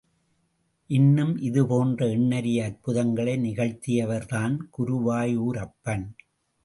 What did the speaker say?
இன்னும் இதுபோன்று எண்ணரிய அற்புதங்களை நிகழ்த்தியவர் தான் குருவாயூரப்பன்.